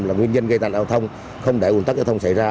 là nguyên nhân gây tàn an thông không để ủng tắc giao thông xảy ra